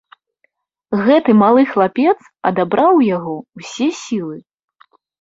Гэты малы хлапец адабраў у яго ўсе сілы.